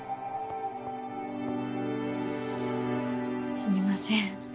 すみません